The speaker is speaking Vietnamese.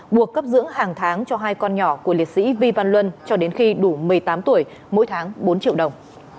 buộc cấp dưỡng hàng tháng cho hai con nhỏ của liệt sĩ vi văn luân cho đến khi đủ một mươi tám tuổi mỗi tháng bốn triệu đồng